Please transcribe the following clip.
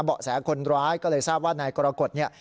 เบาะแสคนร้ายก็เลยทราบว่านายกรกฎเนี่ย